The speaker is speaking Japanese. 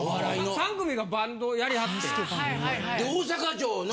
３組がバンドをやりはってん。